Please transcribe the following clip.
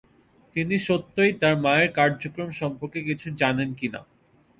তিনি সত্যই তার মায়ের কার্যক্রম সম্পর্কে কিছু জানেন কিনা।